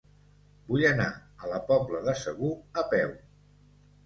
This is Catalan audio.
Vull anar a la Pobla de Segur a peu.